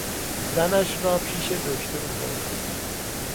زنش را پیش دکتر برد.